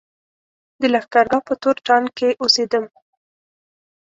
د لښکرګاه په تور ټانګ کې اوسېدم.